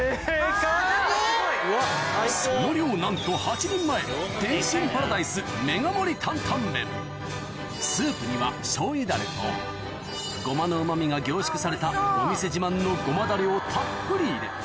その量なんとスープにはしょう油ダレとごまのうま味が凝縮されたお店自慢のごまダレをたっぷり入れ